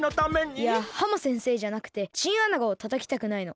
いやハモ先生じゃなくてチンアナゴをたたきたくないの。